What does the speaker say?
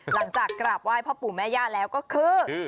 หลังจากกราบไหว้พ่อปู่แม่ย่าแล้วก็คือ